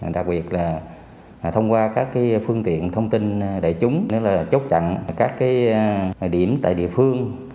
đặc biệt là thông qua các phương tiện thông tin đại chúng là chốt chặn các điểm tại địa phương